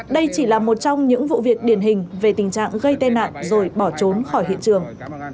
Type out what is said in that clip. đây chỉ là một trong những vụ việc điển hình về tình trạng gây tai nạn rồi bỏ trốn khỏi hiện trường